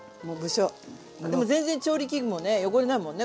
でも全然調理器具もね汚れないもんね